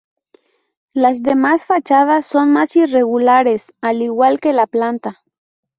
Las demás fachadas son más irregulares al igual que la planta.